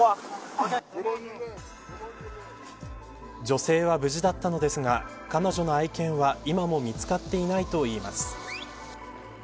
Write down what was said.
女性は無事だったのですが彼女の愛犬は、今も見つかっていないといいます。